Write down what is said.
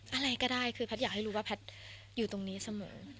อะไรก็ได้คือแพทย์อยากให้รู้ว่าแพทย์อยู่ตรงนี้เสมอ